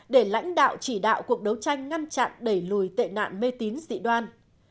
để lãnh đạo chỉ đạo cuộc đấu tranh ngăn chặn đẩy lùi tệ nạn mê tín dị đoan